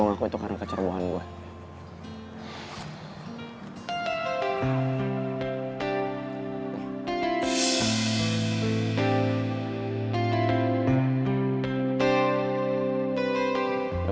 dan gue ngaku itu karena kecerbohan gue